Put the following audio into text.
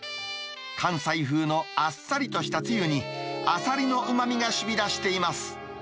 関西風のあっさりとしたつゆに、アサリのうまみがしみだしています。